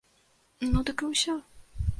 Ну, дык і ўсё.